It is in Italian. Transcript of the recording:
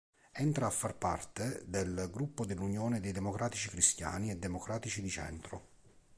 Entra a far parte del gruppo dell'Unione dei Democratici Cristiani e Democratici di Centro.